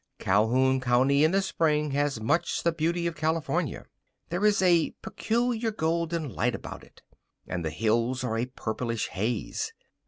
Calhoun County in the spring has much the beauty of California. There is a peculiar golden light about it, and the hills are a purplish haze.